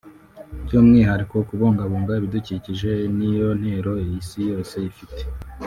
By’umwihariko kubungabunga ibidukikije niyo ntero Isi yose ifite